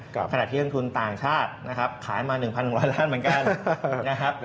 ขณะที่ต้นทุนต่างชาตินะครับขายมา๑๑๐๐ล้านเหมือนกันนะครับ